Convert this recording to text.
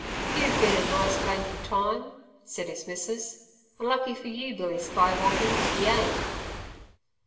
"You've bin a nice blanky time," said his missus, "an' lucky fer you, Billy Skywonkie, 'e ain't."